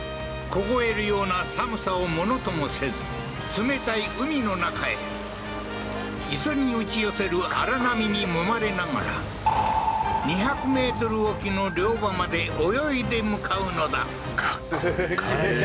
凍えるような寒さをものともせず冷たい海の中へ磯に打ち寄せる荒波にもまれながら２００ｍ沖の漁場まで泳いで向かうのだすげえ